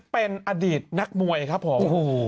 เป็นอดีตนักมวยครับผม